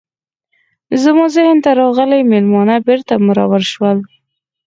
زما ذهن ته راغلي میلمانه بیرته مرور شول.